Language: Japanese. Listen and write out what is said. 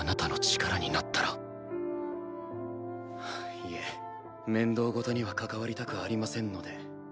いえ面倒事には関わりたくありませんので。